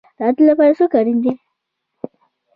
د عدالت لپاره څوک اړین دی؟